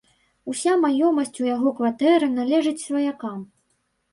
Уся маёмасць у яго кватэры належыць сваякам.